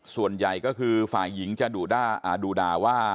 ส่วนใหญ่ก็คือฝ่ายหญิงจะดุด่าว่า